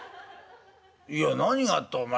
いや何がってお前